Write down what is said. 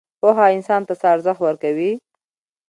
پوهه انسان ته څه ارزښت ورکوي؟